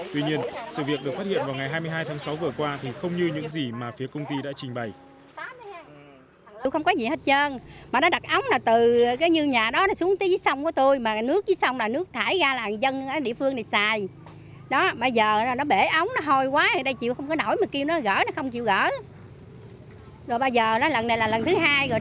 tuy nhiên sự việc được phát hiện vào ngày hai mươi hai tháng sáu vừa qua thì không như những gì mà phía công ty đã trình bày